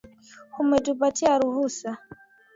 Umetupatia ruhusa